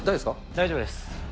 大丈夫です。